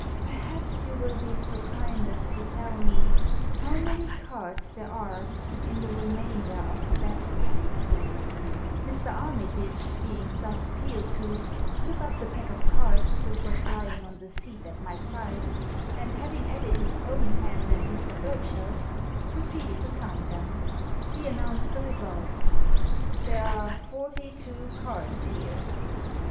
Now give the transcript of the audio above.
Perhaps you will be so kind as to tell me how many cards there are in the remainder of that pack ?" Mr. Armitage, being thus appealed to, took up the pack of cards which was lying on the seat at my side, and having added his own hand and Mr. BurcheU's, proceeded to count them. He announced the result " There are forty two cards here."